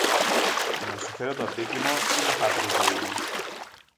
και να σου φέρω το αντίτιμο ή να χάσω τη ζωή μου